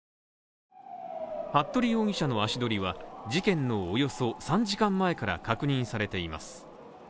服部容疑者の足取りは事件のおよそ３時間前から確認されています。